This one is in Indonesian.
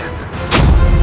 aku ingin menangkapmu